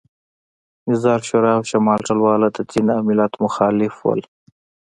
نظار شورا او شمال ټلواله د دین او ملت مخالف وو